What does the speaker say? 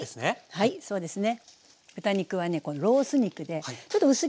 はいそうですね。